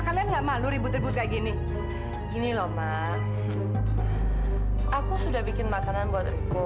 karena mama udah makin baik